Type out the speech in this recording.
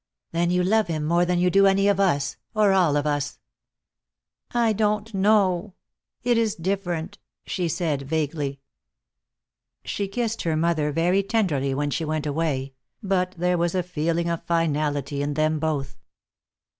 "Then you love him more than you do any of us, or all of us." "I don't know. It is different," she said vaguely. She kissed her mother very tenderly when she went away, but there was a feeling of finality in them both.